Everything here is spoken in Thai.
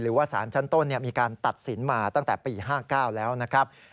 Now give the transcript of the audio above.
หรือว่าสารชั้นต้นมีการตัดสินมาตั้งแต่ปี๕๙แล้วนะครับ